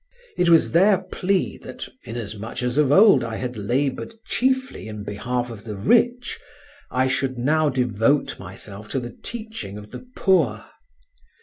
It was their plea that, inasmuch as of old I had laboured chiefly in behalf of the rich, I should now devote myself to the teaching of the poor.